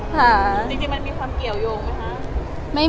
ค่ะจริงมันมีความเกี่ยวยงไหมคะ